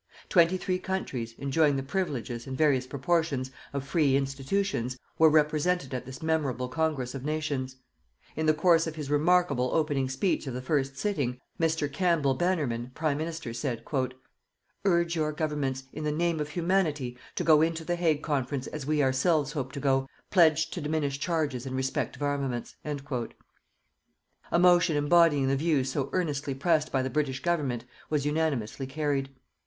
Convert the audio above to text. Twenty three countries, enjoying the privileges, in various proportions, of free institutions, were represented at this memorable Congress of Nations. In the course of his remarkable opening speech of the first sitting, Mr. Campbell Bannerman, Prime Minister, said: "_Urge your Governments, in the name of humanity, to go into The Hague Conference as we ourselves hope to go, pledged to diminished charges in respect of armaments._" A motion embodying the views so earnestly pressed by the British Government was unanimously carried.